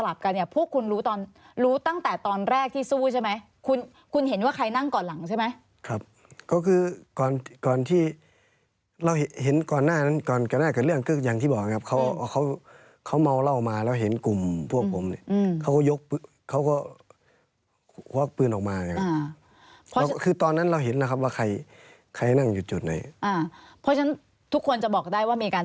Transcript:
แต่ในชั้นสารฟังแค่วิถีกระสุนกับรอยฉีกขาดของเสื้อผ้าสารฟังแค่วิถีกระสุนกับรอยฉีกขาดของเสื้อผ้าสารฟังแค่วิถีกระสุนกับรอยฉีกขาดของเสื้อผ้าสารฟังแค่วิถีกระสุนกับรอยฉีกขาดของเสื้อผ้าสารฟังแค่วิถีกระสุนกับรอยฉีกขาดของเสื้อผ้าสารฟังแค่วิถีกระสุนก